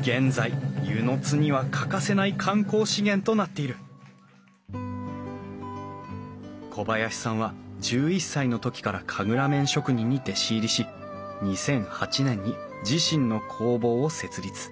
現在温泉津には欠かせない観光資源となっている小林さんは１１歳の時から神楽面職人に弟子入りし２００８年に自身の工房を設立。